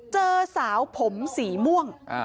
เจอสาวผมสีม่วง